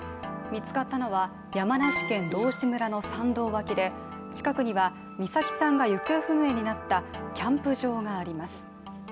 見つかったのは山梨県道志村の山道脇で近くには美咲さんが行方不明になったキャンプ場があります。